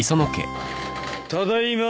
ただいま。